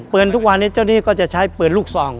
ทุกวันนี้เจ้าหนี้ก็จะใช้ปืนลูกซอง